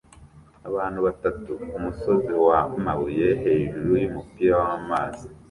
Abantu batatu kumusozi wamabuye hejuru yumubiri wamazi